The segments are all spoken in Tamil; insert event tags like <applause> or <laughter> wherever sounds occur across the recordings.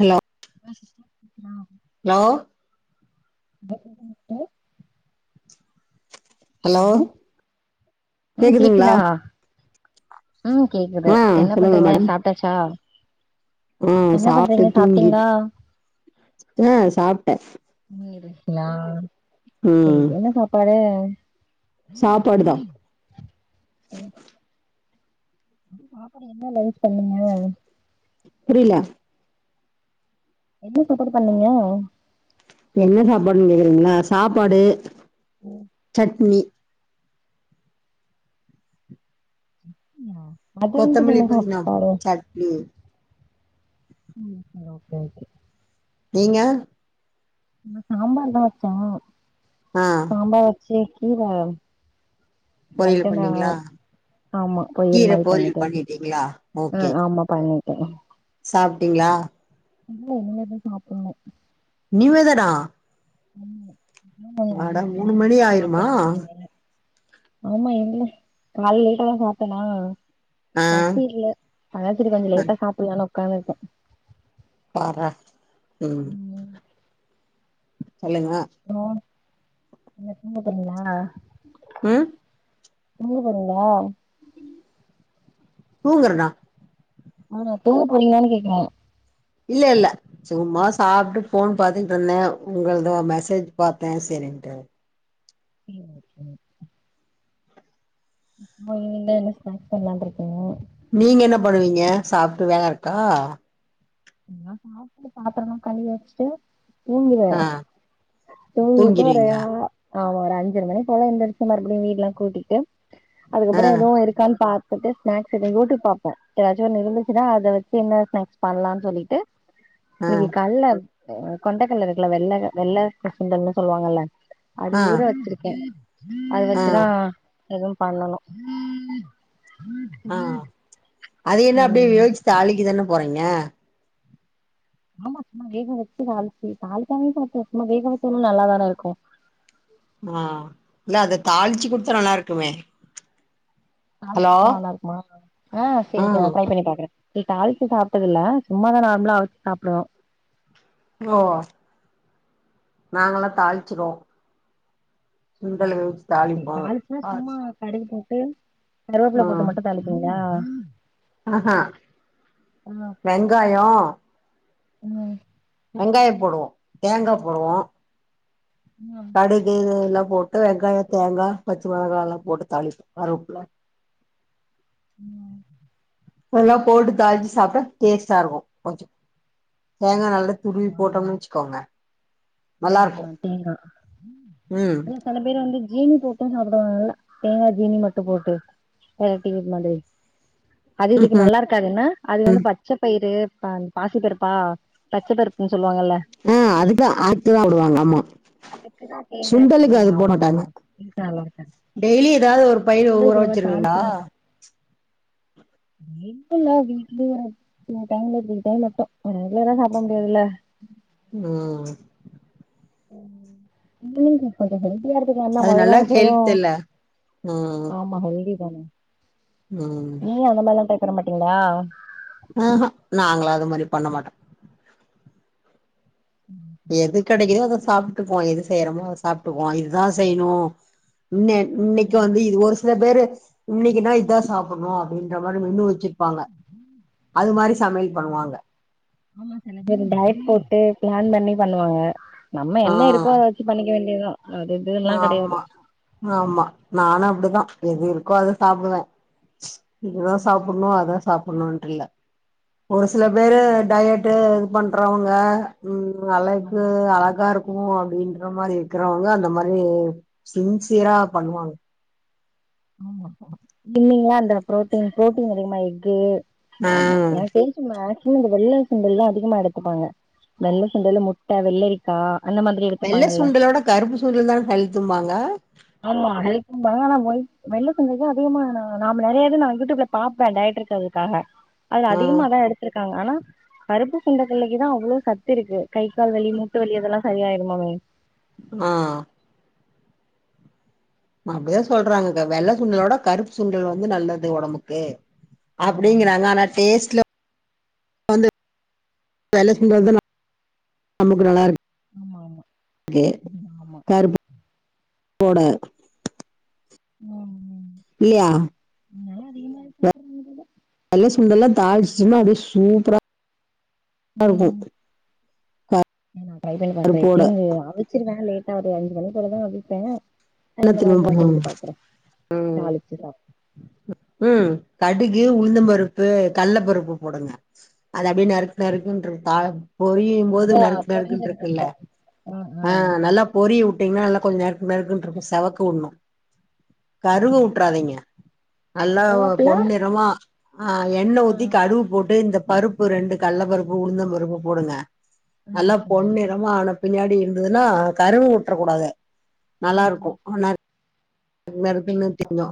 ஹலோ லோ சிஸ்டர் கேக்குதா ஹலோ <inaudible> ஹலோ ஆ கேக்குதுங்ளா கேக்குதா ம் கேக்குது ஆ என்ன சொல்லுங்க பண்றீங்க சாப்ட்டாச்சா ம் என்ன சாப்ட்டு பண்றீங்க சாப்ட்டீங்களா தூங்கிட்டு ம் சாப்ட்டே நீ இருப்பியா ம் இது என்ன சாப்பாடு சாப்பாடுதா சேர் <inaudible> என்ன லைஸ் பண்ணீங்க புரிய்லா என்ன சாப்பாடு பண்ணீங்க என்ன சாப்பாடுன் கேக்குறீங்களா சாப்பாடு ம் சட்னி மத்தியானத்துக்கு என்ன சாப்பாடு ம் ம் சேரி ஓகே ஓகே நீங்க நா சாம்பாருதா வெச்சோ ஆ சாம்பார் வெச்சு கீர லைட்டா பொரியல் நா பண்ணீங்களா ஆமா பொரியல் கீர மாரி பொரியல் பண்ணிட்ட பண்ணிட்டீங்களா ம் ஆமா பண்ணிட்டே சாப்டீங்களா இல்ல இனிமேதா சாப்புணு இனிமேதானா ஆமா இப்பதான் அவங்க மட வந்தாங்க மூணு மணி அவங்க ஆயிருமா சாப்ட்டுட்டு இருக்காங்க ஆமா எங்கள கால்ல லேட்டாதா சாப்டோமா ஆ பசி இல்ல அதா சேரி கொஞ்சோ லேட்டா சாப்புலானு உக்காந்துருக்க பார்றா ம் சொல்லுங்க அந்த லோனு என்ன தூங்க போறீங்களா ம் தூங்க போறீங்களா தூங்கறனா ஆமா தூங்க போறீங்களானு கேக்குற இல்ல இல்ல சும்மா சாப்டுட் ஃபோன் பாத்துட் இருந்த உங்களுது மெசேஜ் பாத்த சேரின்ட்டு ம் ம் இப்ப ஈவினிங்ல என்ன ஸ்நேக்ஸ் பண்லான் இருக்கீங்க நீங்க என்ன பண்ணுவீங்க சாப்டு வேல இருக்கா நா சாப்டு பாத்துரோ எல்லா கழுவி வெச்சுட்டு தூங்குவ ஆ தூங்கிட்டு ஒரு தூங்கிருவீங்களா ஆமா ஒரு அஞ்சர மணி போல எந்துருச்சு மறுபடியு வீடு எல்லா கூட்டிட்டு ஆ அதுக்கப்பறோ எதுவு இருக்கான் பா த்துட்டு ஸ்நேக்ஸ் எது யூடியூப் பாப்ப எதாச்சு ஒன்னு இருந்துச்சுன்னா அத வெச்சு என்ன ஸ்நேக்ஸ் பண்லான் சொல்லிட்டு ஆ இன்னிக்கு கல்ல அ கொண்டக்கல்ல இருக்குல்ல வெள்ள வெள்ள சுண்டல்னு சொல்லுவாங்கல்ல அது ஆ ஊற வெச்சுருக்க அது ஆ வெச்சுதா எதும் பண்ணனு ஆ அது என்ன அப்டியே வேவுச்சு தாளிக்க தான போறீங்க ஆமா சும்மா வேக வெச்சு தாளுச்சு தாளிக்காமையே சாப்புல்லா சும்மா வேக வெச்சாலு நல்லாதான இருக்கு ஆ இல்ல அத தாளுச்சு குடுத்தா நல்லாருக்குமே தாளுச்சு குடுத்தா நல்லாருக்குமா ஆ சேரி சேரி நா ம் ட்ரை பண்ணி பாக்குற ச்சி தாளுச்சு சாப்புறதில்ல சும்மாதா நார்மலா அவுச்சு சாப்புடுவோ ஓ நாங்களா தாளிச்சுருவோ சுண்டல வெச்சு தாலிப்போ தாளிச்சுன்னா சும்மா ஆசு கடுகு போட்டு கருவேப்பில போட்டு மட்டு தாளிப்பீங்களா ஆஹ ஆ வெங்காயோ ம் வெங்காய போடுவோ தேங்கா போடுவோ இன்ன கடுகு இது எல்லா போட்டு வெங்காயொ தேங்கா பச்ச மொளகால்லா போட்டு தாளிப் கருவேப்புல ம் எல்லா போட்டு தாளிச்சு சாப்ட்டா டேஸ்ட்டா இருக்கு கொஞ்சொ தேங்கா நல்லா துருவி போட்டோம்னு வெச்சுக்கோங்க ஆ ஆ தேங்கா ம் சில பேருவந்து ஜீனி போட்டு சாப்டுவாங்கல் தேங்கா ஜீனி மட்டு போட்டு அ டிவி மாதி அது இதுக்கு நல்லா இருக் காதுன்னா அது வந்து பச்ச பயிறு பா பாசிப்பருப்பா பச்சபருப்புன்னு சொல்லுவாங்கல்ல ஆ அதுக்கா அதா போடுவாங்க ஆமா அதுக்குதா தேங்கா சுண்டலுக்கு ஜீனி அது போட ஆமா நல்லா மாட்டாங்க ஈசியா நல்லா இருக்கா டெய்லி ஏதாது ஒரு பயிரு ஊற வெச்சிருவீங்களா டெய்லில வீக்லி ஒரு வா சில டைம்ல சில டைம் மட்டு ரெகுலரா சாப்புட முடியாதுல்ல ஆ <unintelligible> கொஞ்ச ஹெல்தியா இருக்கக்கு என்ன அது <unintelligible> நல்லா அப்பறோ ஹெல்த் இல்ல ம் ஆமா ஹெல்தி தானே ம் நம்மல்லா பேசற மாட்டீங்களா ஆஹ நாங்களா அது மாரி பண்ண மாட்டோ ம் எது கெடைக்குதோ அத சாப்ட்டுக்குவோ எது செய்றோமோ அத சாப்ட்டுக்குவோ இதுதா செய்ணு இன் இன்னைக்கு வந்து இது ஒரு சில பேரு இன்னைக்குனா இதுதா சாப்புணு அப்டின்ற மாரி மெனு வெச்சு ப்பாங்க அது மாரி சமையல் பண்ணுவாங்க ஆமா சில பேரு டையட் போட்டு பிளான் பண்ணி பண்ணுவாங்க நம்ம ஆ என்ன இருக்கோ அத வெச்சு பண்ணிக்க வேண்டியதா ஆமா ஆமா நானு அப்டித்தா எது இருக்கோ அத சாப்டுவே இதுதா சாப்புட்ணு அதா சாப்புட்ணுன்ட்டு இல்ல ஒரு சில பேரு டயடு இது பண்றவங்க ம் அழக்கு அழகா இரு க்கு அப்டின்ற மாரி இருக்குறவங்க அந்த மாரி சின்சியரா பண்ணுவாங்க ஆமா ஆமா இல்லிங்களா அந்த புரோட்டீன் பு்ரோட்டீன் அதிகமா எக்கு ஆமா ஆ எனக்கு தெரிஞ் ட்டு மேக்சிமம் இந்த வெள்ள சுண்டல்லா அதிகமா எடுத்துப்பாங்க வெள்ள சுண்டலு முட்ட வெள்ளரிக்கா அந்த மா வெள்ள சுண்டலோட கருப்பு சுண்டல்தா ஹெல்த்தும்பாங்க ஆமா ஹெல்த்தும்பாங்க ஆனா வை வெள்ள சுண்டல்தா அதிகமா நாம நெறைய இது நா யூடியூப்ல பாப்பே டயட் இருக்குறதுக்காக அது ஆ அதிகமாதா எடுத்துருக்காங்க ஆனா கருப்பு கொண்டகல்லைக்குதா அவ்ளோ சத்து இருக்கு கை கால் வலி மூட்டு வலி அதெல்லா சரியாயிடுமாமே ஆ அப்டிதா சொல்றாங்க வெள்ள சுண்டலோட கருப்பு சுண்டல் வந்து நல்லது உடம்புக்கு அப்டிங்றாங்க ஆனா டேஸ்ட்ல வந்து வெள்ள சுண்டல் வந்து நமக்கு நல்லாருக்கு ஆமா ஆமா கே ஆமா கருப்பு போட உம் ஹும் இல்லயா என்னால அதிகமா சாப்புட முடில வெள்ள சுண்டல்லா தாளிச்ச சுண்டலா அப்டியே சூப்பரா இருக்கு ம் நா டிரை பண்ணி பாக்குறே பருப்போட எப்பயு அவிச்சிருவே லேட்டா ஒரு அஞ்சு மணி போலதா அவிப்பே என்ன இந்த தெரியுமா மாதிரி நா செஞ்சு பண்ணுவாங்க பாக்குறே தாளிச்சுதா உம் கடுகு உளுந்தம்பருப்பு கல்ல பருப்பு போடுங்க அது அப்டின்னு நறுக்கு நறுக்குன்ற தா பொறியும் போது நறுக்கு நறுக்குன்று இருக்குல்ல ஆ நல்லா பொரிய விட்டீங்கன்னா நல்லா கொஞ்சோ நறுக்கு நறுக்குனு இருக்கு செவக்க விடணு கருவ விட்டுறாதிங்க நல்லா கருவாப்புல பொண்ணிறமா ஆ எண்ணெ ஊத்தி கடுகு போட்டு இந்த பருப்பு ரெண்டு கல்ல பருப்பு உளுந்தம் பருப்பு போடுங்க நல்லா பொண்ணிறமா ஆன பின்னாடி இருந்துதுன்னா கருவ வுட்றக்கூடாது நல்லாருக்கு நறுக்குன்னு திங்கு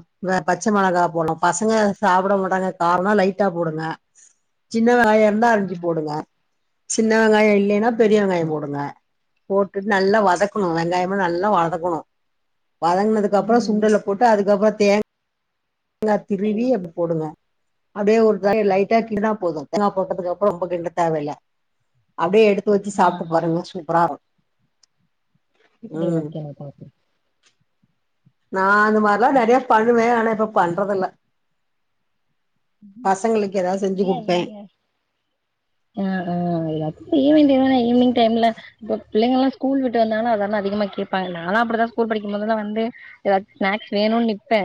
பச்ச மிளகா போலா பசங்க சாப்ட மாட்டாங்க காரொன்னா லைட்டா போடுங்க சின்ன வெங்காயோ இருந்தா அரிஞ்சி போடுங்க சின்ன வெங்காயோ இல் இல்லன்னா பெரிய வெங்காயோ போடுங்க போட்டுட்டு நல்லா வதக்கணு வெங்காயோ நல்லா வதக்கணு வதங்குனதுக்கு அப்புறோ ம் சுண்டல போட்டு அதுக்கப்புறோ தேங் தேங்கா திருவி அதுல போடுங்க அதே ஒரு லைட்டா கிர்னா போது ன போட்டதுக்கு அப்புறம் ரொம்ப தேங்கா போட்டதுக்கப்றோ ரொம்ப கிண்ட தேவயில்ல அப்டியே எடுத்து வச்சு சாப்ட்டு பாருங்க சூப் ப்பரா சரி ம் ஓகே நா பாக்குறே நா அந்த மாரிலா நிறைய பண்ணுவே ஆனா இப்ப பண்றதுல்ல பசங்களுக்கு எதாவ்து செஞ்சு ஏ கொடுப்பே நீங்க ஆ ஆ <unintelligible> ஈவ்னிங் டைம்ல ஈவ்னிங் டைம்ல இப்போ பிள்ளைகல்லா ஸ்கூல் விட்டு வந்தால அதெல்லா அதிகமா கேப்பாங்க நாளா அப்டி தா ஸ்கூல் படிக்கும்போதெல்லா வந்து எதாச்சு ஸ்நாக்ஸ் வேணுன்னு நிப்பே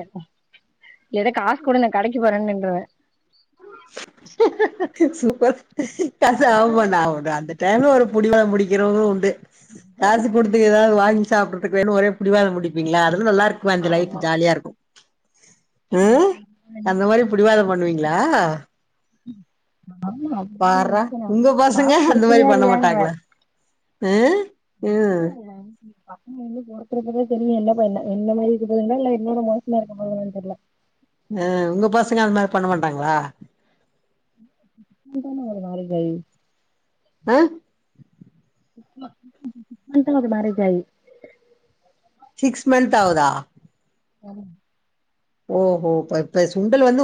எனக்கு காசு குடு நா கடைக்கு போறேனு நின்றுவே சூப்பர் கச ஆமாண்ண அவருதா அந்த டைம்ல ஒரு புடிவாதோ புடிக்கிறது உண்டு காசு கொடுத்து எதாது வாங்கி சாப்ட்டு வேணு ஒரே புடிவாத புடிப்பீங்களா அதுல்லா நல்லா இருக்குமே அந்த லைஃபு ஜாலியா இருக்கு ம் அந்த மாரி பிடிவாதோ பண்ணுவீங்ளா ம் ஆமா பாறா உங்க பசங்க அந்த மாதிரி பண்ண இல்லையாங்குவே மாட்டாங்களா ம் ம் பசங்க வந்து பொறக்கறப்பவே தெரியு என்ன பண்ணு என்ன மாதிரி இருக்குதுங்களா இல்ல என்னோட மோசமா இருக்க போதுங்ளானு தெர்ல ஆ உங்க பசங்க அந்த மாரி பண்ண மாட்டாங்ளா <unintelligible> ஆ சிக்ஸ் மன்த்து ஆவுது மேரேஜ் ஆகி சிக்ஸ் மந்த் ஆவுதா ஆமா ஓஹோ இப்ப பா சுண்டல் வந்து